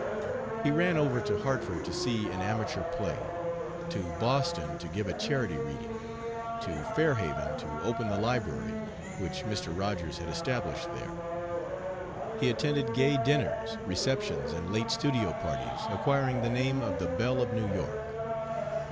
He ran over to Hartford to see an amateur play; to Boston to give a charity reading; to Fair Haven to open the library which Mr. Rogers had established there; he attended gay dinners, receptions, and late studio parties, acquiring the name of the "Belle of New York."